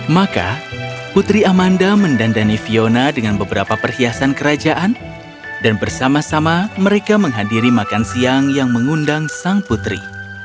maka putri amanda mendandani fiona dengan beberapa perhiasan kerajaan dan bersama sama mereka menghadiri makan siang yang mengundang sang putri